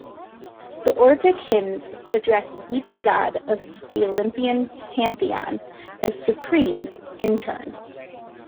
The Orphic Hymns address each god of the Olympian pantheon as supreme in turn.